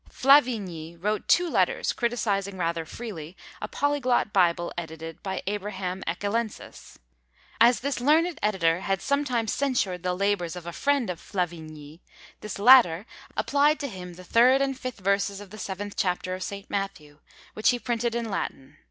Flavigny wrote two letters, criticising rather freely a polyglot Bible edited by Abraham Ecchellensis. As this learned editor had sometimes censured the labours of a friend of Flavigny, this latter applied to him the third and fifth verses of the seventh chapter of St. Matthew, which he printed in Latin.